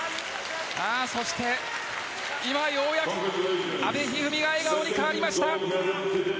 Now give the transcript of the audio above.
そして今、ようやく阿部一二三が笑顔に変わりました。